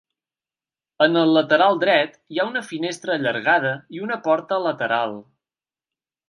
En el lateral dret hi ha una finestra allargada i una porta lateral.